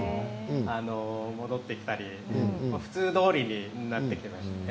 戻ってきたり普通どおりになってきましたね